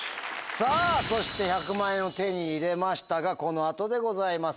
さぁそして１００万円を手に入れましたがこの後でございます。